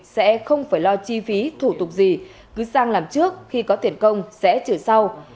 sẽ không phải lo chi phí thủ tục gì cứ sang làm trước khi có tiền công sẽ chuyển sau